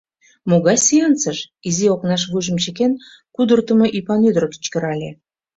— Могай сеансыш? — изи окнаш вуйжым чыкен, кудыртымо ӱпан ӱдыр кычкырале.